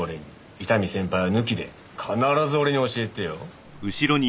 伊丹先輩は抜きで必ず俺に教えてよ。